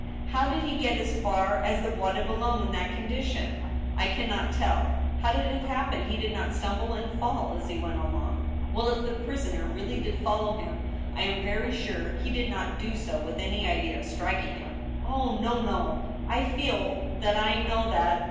... How did he get as far as the Bois de Boulogne in that condition ?... I can not tell How did it happen he did not stumble and fall as he went along ?..• Well, if the prisoner really did follow him, I am very sure he did not do so with any idea of striking him. ... Oh, no — no ! I feel that I know that